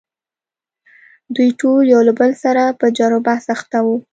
دوی ټول یو له بل سره په جر و بحث اخته وو.